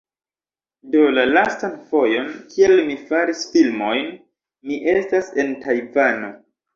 Do la lastan fojon, kiel mi faris filmojn, mi estas en Tajvano.